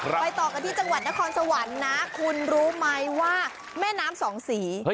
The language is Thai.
ไปต่อกันที่จังหวัดนครสวรรค์นะคุณรู้ไหมว่าแม่น้ำสองสี